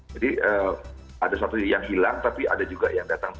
jadi ada satu yang hilang tapi ada juga yang datang